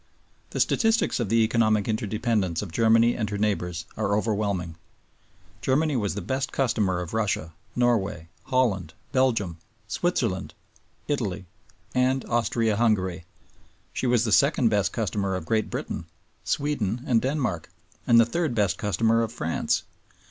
The statistics of the economic interdependence of Germany and her neighbors are overwhelming. Germany was the best customer of Russia, Norway, Holland, Belgium, Switzerland, Italy, and Austria Hungary; she was the second best customer of Great Britain, Sweden, and Denmark; and the third best customer of France.